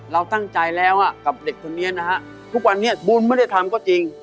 เราตั้งใจแล้วกับเด็กคนนี้นะฮะทุกวันนี้บุญไม่ได้ทำก็จริง